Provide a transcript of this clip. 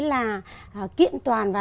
là kiện toàn và